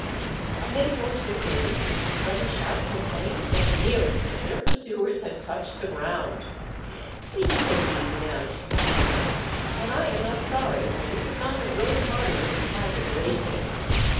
A minute or two later a sudden shout proclaimed that the nearest of their pursuers had touched the ground. "We can take it easy now," Giuseppi said, "and I am not sorry, for we could not have rowed harder if we had been racing."